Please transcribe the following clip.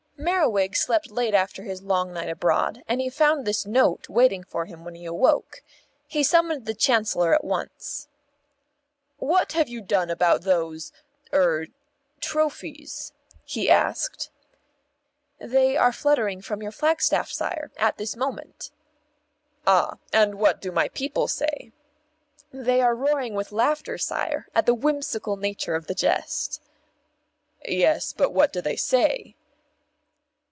Merriwig slept late after his long night abroad, and he found this Note waiting for him when he awoke. He summoned the Chancellor at once. "What have you done about those er trophies?" he asked. "They are fluttering from your flagstaff, sire, at this moment." "Ah! And what do my people say?" "They are roaring with laughter, sire, at the whimsical nature of the jest." "Yes, but what do they say?"